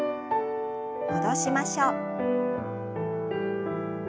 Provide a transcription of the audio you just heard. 戻しましょう。